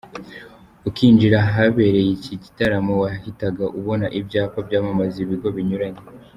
Ukinjira ahabereye iki gitaramo, wahitaga ubona ibyapa byamamaza ibigo binyuranye.